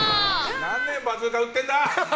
何年バズーカ打ってんだ！